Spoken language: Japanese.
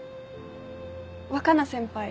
若菜先輩